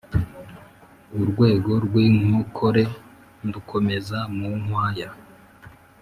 Urwego rw'inkokore ndukomeza mu nkwaya